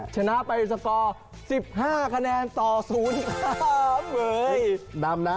ชนะไปสกอร์๑๕คะแนนต่อ๐ครับ